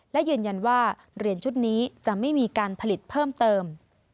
และยืนยันว่าเหรียญชุดนี้จะไม่มีการผลิตเพิ่มเติม